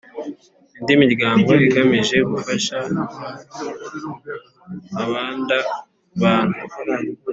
indi miryango igamije gufasha abanda bantu